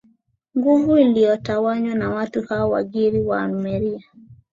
nguvu waliotawanywa na watu hao Wagiriki Waarmenia